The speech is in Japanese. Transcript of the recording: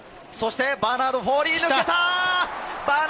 バーナード・フォーリーが抜けた！